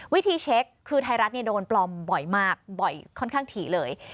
วิธีเช็คคือไทยรัฐโดนปลอมบ่อยมากบ่อยค่อนข้างถี่เลย